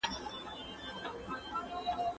د شخړو د حل لپاره بايد جرګې وسي.